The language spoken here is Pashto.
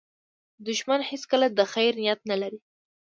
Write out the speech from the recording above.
دښمن هیڅکله د خیر نیت نه لري